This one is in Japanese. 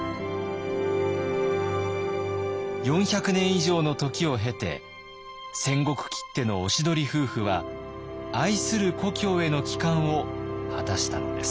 ４００年以上の時を経て戦国きってのおしどり夫婦は愛する故郷への帰還を果たしたのです。